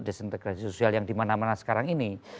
disintegrasi sosial yang dimana mana sekarang ini